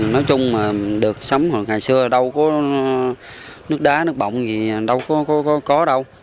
nói chung mà được sắm hồi ngày xưa đâu có nước đá nước bọng gì đâu có đâu